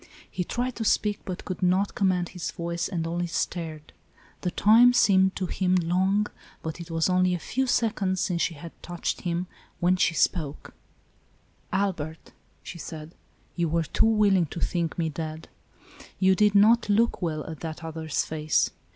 He tried to speak, but could not command his voice, and only stared. The time seemed to him long, but it was only a few seconds since she had touched him, when she spoke. ALICE ; OR, THE WAGES OF SIN. 89 ''Albert," she said, "you were too willing to think me dead. You did not look well at that other's face.